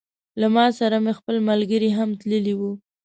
له ما سره مې خپل ملګري هم تللي وه.